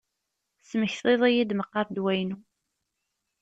Tesmektiḍ-iyi-d meqqar ddwa-inu.